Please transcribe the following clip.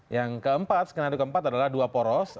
yang keempat skenario keempat adalah dua poros